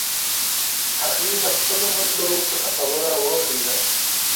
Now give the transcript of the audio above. هغې د خپلو ملګرو پټه خبره واورېده.